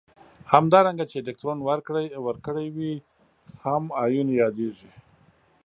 همدارنګه چې الکترون ورکړی وي هم ایون یادیږي.